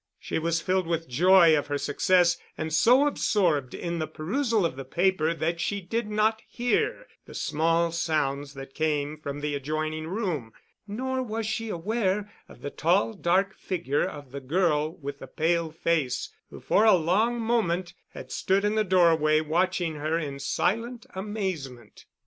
She was filled with the joy of her success and so absorbed in the perusal of the paper that she did not hear the small sounds that came from the adjoining room, nor was she aware of the tall dark figure of the girl with the pale face who for a long moment had stood in the doorway watching her in silent amazement.